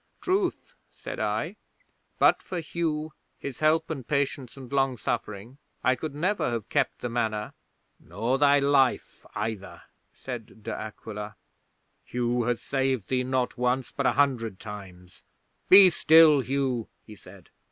'"Truth," said I. "But for Hugh, his help and patience and long suffering, I could never have kept the Manor." '"Nor thy life either," said De Aquila. "Hugh has saved thee not once, but a hundred times. Be still, Hugh!" he said.